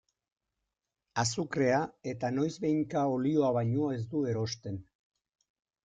Azukrea eta noizbehinka olioa baino ez du erosten.